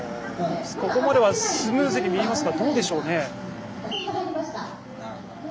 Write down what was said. ここまではスムーズに見えますがどうでしょうね？